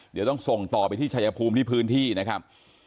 เดี๋ยวต้องส่งต่อไปที่ชายภูมิที่พื้นที่นะครับ